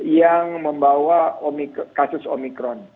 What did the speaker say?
yang membawa kasus omikron